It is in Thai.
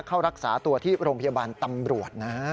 เข้ารักษาตัวที่โรงพยาบาลตำรวจนะ